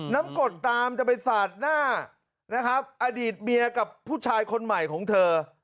กดตามจะไปสาดหน้านะครับอดีตเมียกับผู้ชายคนใหม่ของเธอ